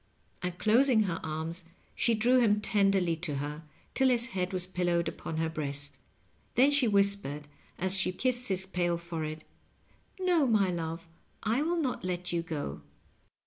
And closing her arms she drew him tenderly to her, till his head was pillowed upon her breast. Then she whispered, as she kissed his pale forehead, "No, my love, I will not let you go."